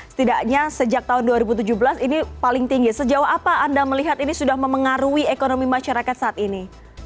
setidaknya sejak tahun dua ribu tujuh belas ini paling tinggi sejauh apa anda melihat ini sudah memengaruhi ekonomi masyarakat saat ini